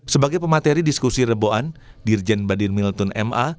sebagai pemateri diskusi reboan dirjen badir miltun ma